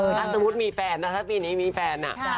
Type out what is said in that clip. ถ้าสมมุติมีแฟนนะถ้าปีนี้มีแฟน